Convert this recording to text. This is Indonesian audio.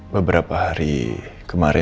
beberapa hari kemarin